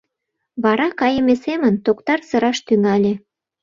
Вара, кайыме семын, Токтар сыраш тӱҥале.